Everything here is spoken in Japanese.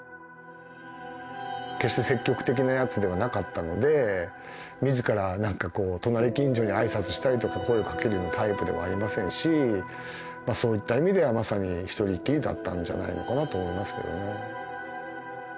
決して積極的なやつではなかったのでみずから何かこう隣近所に挨拶したりとか声をかけるようなタイプでもありませんしそういった意味ではまさに一人きりだったんじゃないのかなと思いますけどね。